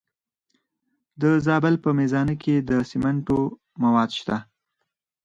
د زابل په میزانه کې د سمنټو مواد شته.